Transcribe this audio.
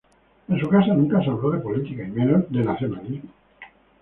En su casa nunca se habló de política; y, menos, de nacionalismo.